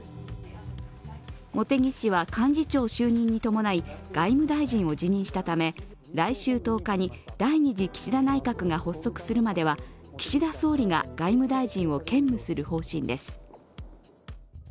茂木氏は幹事長就任に伴い、外務大臣を辞任したため来週１０日に第２次岸田内閣が発足するまでは、岸田総理が外務大臣を兼務する方針です。